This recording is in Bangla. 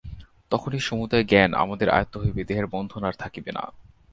তখনই সমুদয় জ্ঞান আমাদের আয়ত্ত হইবে, দেহের বন্ধন আর থাকিবে না।